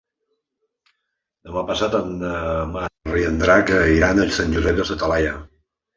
Demà passat na Mar i en Drac iran a Sant Josep de sa Talaia.